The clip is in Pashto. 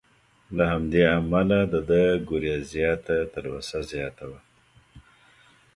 له همدې امله د ده ګورېزیا ته تلوسه زیاته وه.